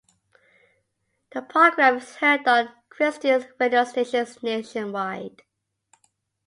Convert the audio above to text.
The program is heard on Christian radio stations nationwide.